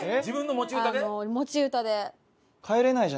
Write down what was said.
持ち歌で。